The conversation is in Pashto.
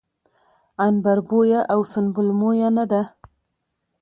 عنبربويه او سنبل مويه نه ده